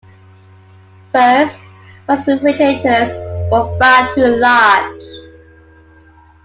First, most refrigerators were far too large.